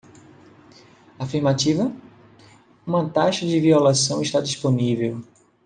Afirmativa? uma taxa de violação está disponível.